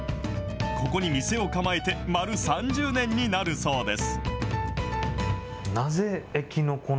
ここに店を構えて丸３０年になるそうです。